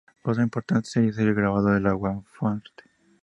Otra importante serie es "El Grabador al Aguafuerte.